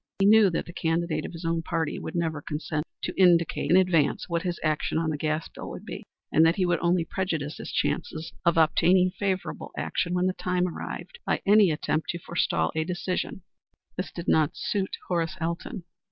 He knew that the candidate of his own party would never consent to indicate in advance what his action on the gas bill would be, and that he would only prejudice his chances of obtaining favorable action when the time arrived by any attempt to forestall a decision. This did not suit Horace Elton.